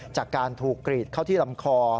จากการถูกกรีดเข้าที่ลำคอ